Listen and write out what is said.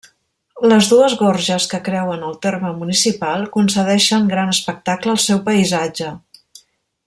Les dues gorges que creuen el terme municipal concedeixen gran espectacle al seu paisatge.